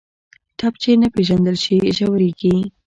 ټپ چې نه پېژندل شي، ژورېږي.